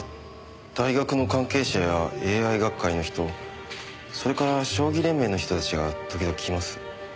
大学の関係者やＡＩ学会の人それから将棋連盟の人たちが時々来ます。